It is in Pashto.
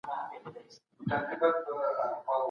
هغه سرمايه چې واقعي وي ډېره ګټه لري.